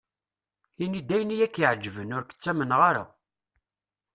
Ini-d ayen i ak-iɛeǧben, ur k-ttamneɣ ara.